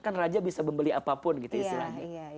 kan raja bisa membeli apapun gitu istilahnya